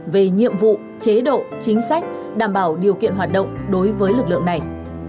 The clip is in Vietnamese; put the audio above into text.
về nhiệm vụ chế độ chính sách đảm bảo điều kiện hoạt động đối với lực lượng này